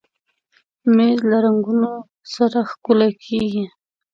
مېز له رنګونو سره ښکلی کېږي.